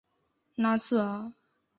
拉塞尔。